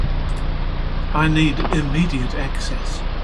I needed immediate access.